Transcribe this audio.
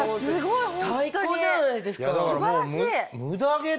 すごい！